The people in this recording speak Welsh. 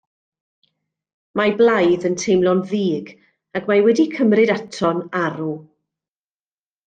Mae Blaidd yn teimlo'n ddig ac mae wedi cymryd ato'n arw.